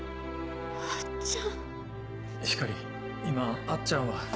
今あっちゃんは。